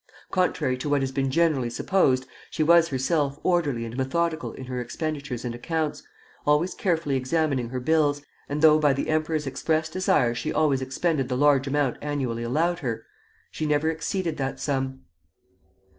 Contrary to what has been generally supposed, she was herself orderly and methodical in her expenditures and accounts, always carefully examining her bills, and though by the emperor's express desire she always expended the large amount annually allowed her, she never exceeded that sum.